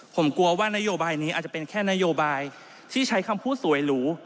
ผมกลัวว่านโยบายนี้อาจจะเป็นแค่นโยบายที่ใช้คำพูดสวยหรู